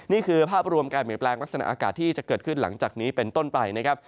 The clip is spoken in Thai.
นี่คือภาพรวมการเปลี่ยนแปลงลักษณะอากาศที่จะเกิดขึ้นหลังจากนี้เป็นต้นไปนะครับ